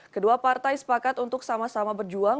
kedua partai sepakat untuk sama sama berjuang